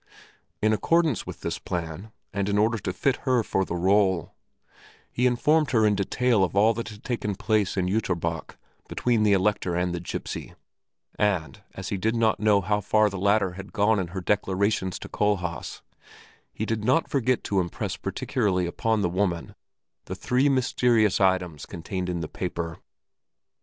In accordance with this plan and in order to fit her for the rôle, he informed her in detail of all that had taken place in Jüterbock between the Elector and the gipsy, and, as he did not know how far the latter had gone in her declarations to Kohlhaas, he did not forget to impress particularly upon the woman the three mysterious items contained in the paper.